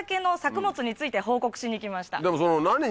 でもその。